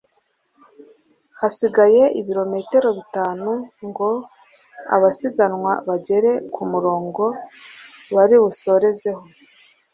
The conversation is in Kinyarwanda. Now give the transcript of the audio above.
Hasigaye ibilometero bitanu ngo abasiganwa bagere ku murongo bari busorezeho